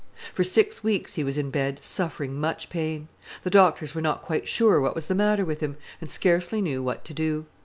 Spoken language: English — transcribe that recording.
For six weeks he was in bed, suffering much pain. The doctors were not quite sure what was the matter with him, and scarcely knew what to do.